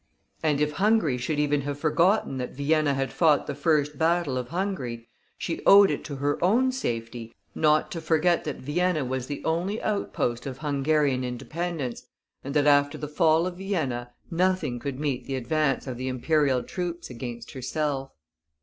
And if Hungary should even have forgotten that Vienna had fought the first battle of Hungary, she owed it to her own safety not to forget that Vienna was the only outpost of Hungarian independence, and that after the fall of Vienna nothing could meet the advance of the imperial troops against herself.